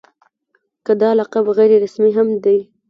که دا لقب غیر رسمي هم دی.